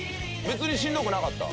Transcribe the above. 別にしんどくなかった？